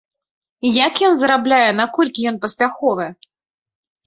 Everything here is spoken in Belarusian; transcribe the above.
Як ён зарабляе, наколькі ён паспяховы?